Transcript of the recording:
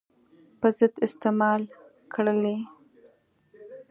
په ضد استعمال کړلې.